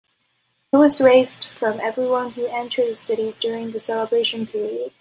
It was raised from everyone who entered the city during the celebration period.